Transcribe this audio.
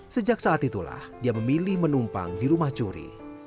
sejak saat itulah dia memilih menumpang di rumah curi